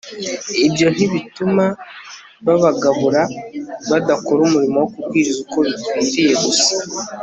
ibyo ntibituma ba bagabura badakora umurimo wo kubwiriza uko bikwiriye gusa